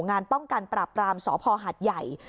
งานป้องกันปราบรามสพหัดใหญ่